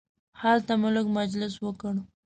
هلته مو لږ مجلس وکړ.